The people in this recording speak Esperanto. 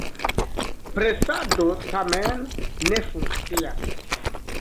Presado tamen ne funkcias.